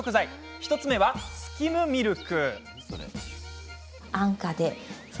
１つ目は、スキムミルク。